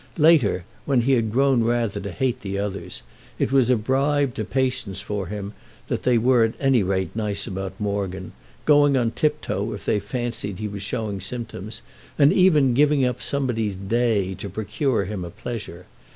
Later, when he had grown rather to hate the others, it was a bribe to patience for him that they were at any rate nice about Morgan, going on tiptoe if they fancied he was showing symptoms, and even giving up somebody's "day" to procure him a pleasure.